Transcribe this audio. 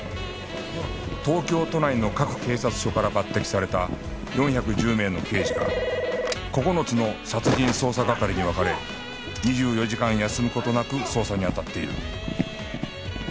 東京都内の各警察署から抜擢された４１０名の刑事が９つの殺人捜査係に分かれ２４時間休む事なく捜査にあたっている